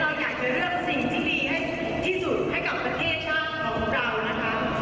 เราอยากจะเลือกสิ่งที่ดีให้ที่สุดให้กับประเทศชาติของเรานะคะ